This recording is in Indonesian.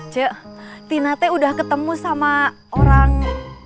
cik tina teh udah ketemu sama orang